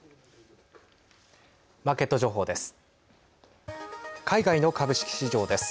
マーケット情報です。